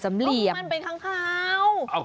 มันเป็นค้างคาว